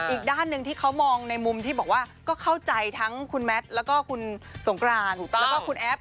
อีกด้านหนึ่งที่เขามองในมุมที่บอกว่าก็เข้าใจทั้งคุณแมทแล้วก็คุณสงกรานแล้วก็คุณแอฟ